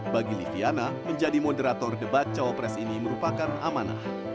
bagi liviana menjadi moderator debat cawapres ini merupakan amanah